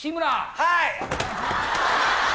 はい。